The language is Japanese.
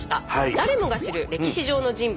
誰もが知る歴史上の人物